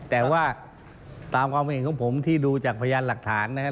แต่ว่าตามความเห็นของผมที่ดูจากพยานหลักฐานนะครับ